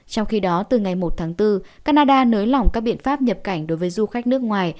trong khi đó từ ngày một tháng bốn canada nới lỏng các biện pháp nhập cảnh đối với du khách nước ngoài